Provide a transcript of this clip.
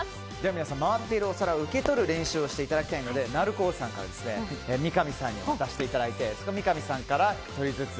皆さん、回っているお皿を受け取る練習をしていただきたいのでＮａｌｕｃｏさんから三上さんに渡していただいて三上さんから１人ずつ。